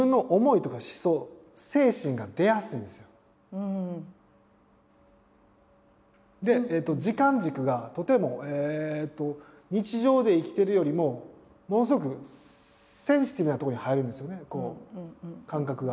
うん。で時間軸がとても日常で生きてるよりもものすごくセンシティブなとこに入るんですよね感覚が。